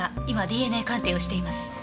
今ＤＮＡ鑑定をしています。